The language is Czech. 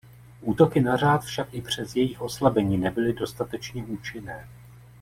Útoky na řád však i přes jejich oslabení nebyly dostatečně účinné.